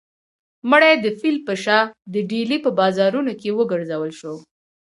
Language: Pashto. مړی د پیل په شا د ډیلي په بازارونو کې وګرځول شو.